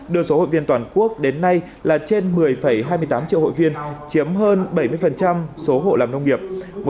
đưa số hội viên toàn quốc đến nay là trên một mươi hai mươi tám triệu hội viên chiếm hơn bảy mươi số hộ làm nông nghiệp